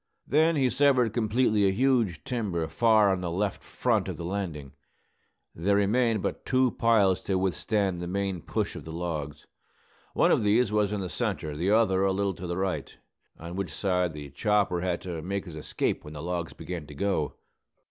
Then he severed completely a huge timber far on the left front of the landing. There remained but two piles to withstand the main push of the logs. One of these was in the centre, the other a little to the right, on which side the chopper had to make his escape when the logs began to go.